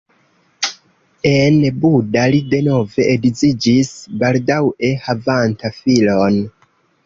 En Buda li denove edziĝis baldaŭe havanta filon.